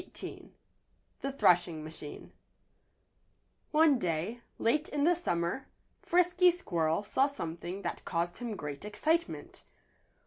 XVIII The Threshing machine One day, late in the summer, Frisky Squirrel saw something that caused him great excitement.